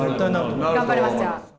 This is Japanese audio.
頑張ります、じゃあ。